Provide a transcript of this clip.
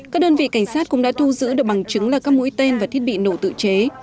các đơn vị cảnh sát cũng đã thu giữ được bằng chứng là các mũi tên và thiết bị nổ tự chế